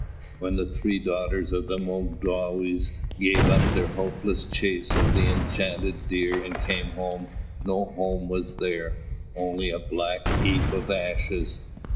When the three daughters of Mōdāwes gave up their hopeless chase of the enchanted deer and came home, no home was there, only a black heap of ashes.